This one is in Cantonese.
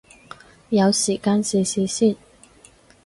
有時間試試先